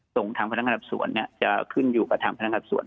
ตรงทางพนักงานดับสวนจะขึ้นอยู่กับทางพนักงานสวน